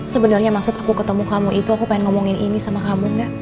sebenarnya maksud aku ketemu kamu itu aku pengen ngomongin ini sama kamu gak